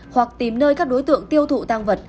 hoặc tìm nơi các đối tượng tiêu thụ tăng vật